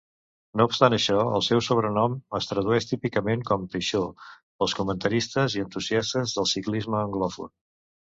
No obstant això, el seu sobrenom es tradueix típicament com "teixó" pels comentaristes i entusiastes del ciclisme anglòfon.